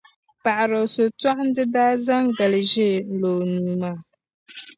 paɣidɔɣisotɔɣinda daa zaŋ gali ʒee lo o nuu maa.